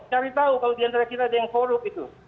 cari tahu kalau diantara kita ada yang korup itu